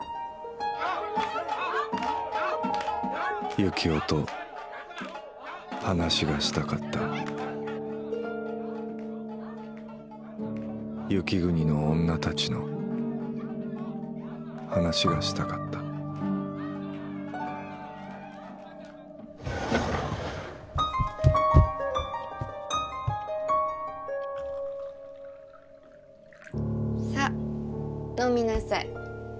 行男と話がしたかった雪国の女たちの話がしたかったさあ飲みなさい。